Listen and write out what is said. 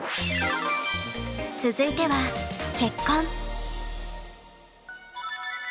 続いては「結婚」。